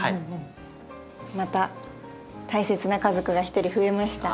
また大切な家族が１人増えました。